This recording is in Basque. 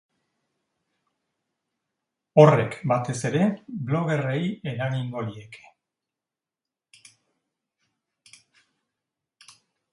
Horrek, batez ere, bloggerrei eragingo lieke.